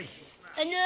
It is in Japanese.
あの。